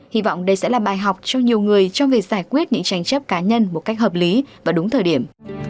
hy vọng đây sẽ là bài học cho nhiều người trong việc giải quyết những tranh chấp cá nhân một cách hợp lý và đúng thời điểm